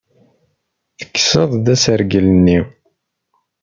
Tekkes-d asergel-nni.